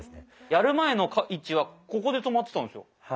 やる前の位置はここで止まってたんですよ。